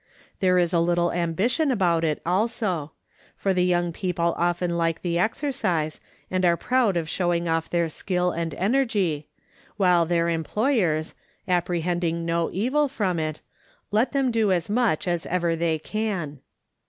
There is a little ambition about it also, for the young people often like the exercise, and are proud of showing off their skill and energy, while their employers, apprehending no evil from it, let them do as much as ever they can.